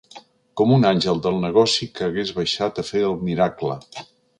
Com un àngel del negoci que hagués baixat a fer el miracle